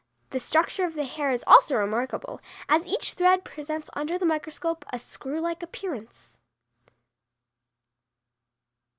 The structure of the hair is also remarkable, as each thread presents under the microscope a screw like appearance.